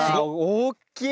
おっきい！